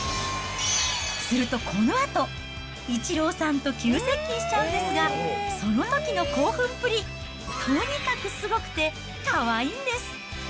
するとこのあと、イチローさんと急接近しちゃうんですが、そのときの興奮っぷり、とにかくすごくてかわいいんです。